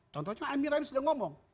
contohnya amir rahim sudah ngomong